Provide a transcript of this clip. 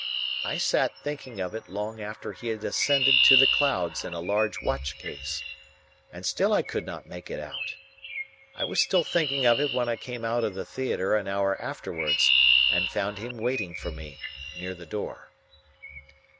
I sat thinking of it long after he had ascended to the clouds in a large watch case, and still I could not make it out. I was still thinking of it when I came out of the theatre an hour afterwards, and found him waiting for me near the door.